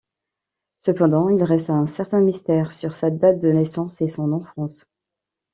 Cependant, il reste un certain mystère sur sa date de naissance et son enfance.